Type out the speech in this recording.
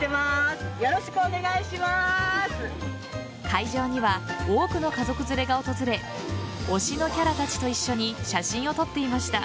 会場には多くの家族連れが訪れ推しのキャラたちと一緒に写真を撮っていました。